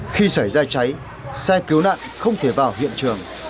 khi xảy ra cháy xe cứu nạn không thể vào hiện trường